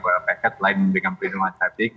lpsk selain mendapatkan pendapatan